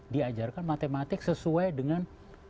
diajarkan matematik sesuai dengan